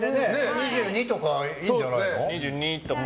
２２とかいいんじゃないの？